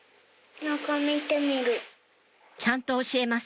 ちゃんと教えます